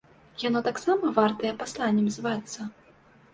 Яно таксама вартае пасланнем звацца?